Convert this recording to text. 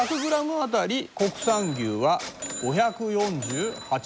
当たり国産牛は５４８円。